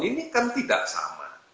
ini kan tidak sama